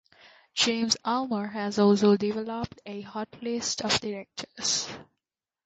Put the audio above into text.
James Ulmer has also developed a "Hot List of directors".